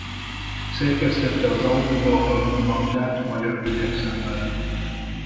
Szerkesztette az Auróra Album-naptárt magyar hölgyek számára.